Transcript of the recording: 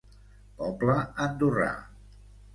Poble Andorrà.